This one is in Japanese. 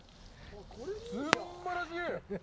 すんばらしい！